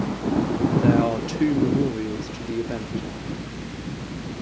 There are two memorials to the event.